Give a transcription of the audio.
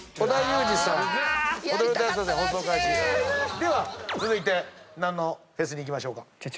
では続いて何のフェスにいきましょうか？